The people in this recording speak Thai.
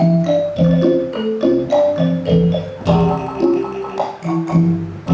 อ่อนช้อยมาก